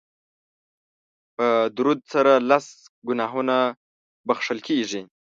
په درود سره لس ګناهونه بښل کیږي